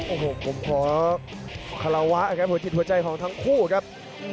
โอ้โหผมขอคาราวะครับหัวจิตหัวใจของทั้งคู่ครับ